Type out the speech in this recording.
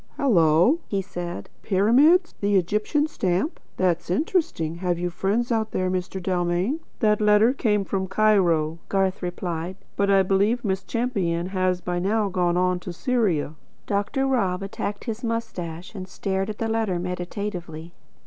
"Hello!" he said. "Pyramids? The Egyptian stamp? That's interesting. Have you friends out there, Mr. Dalmain?" "That letter came from Cairo," Garth replied; "but I believe Miss Champion has by now gone on to Syria." Dr. Rob attacked his moustache, and stared at the letter meditatively.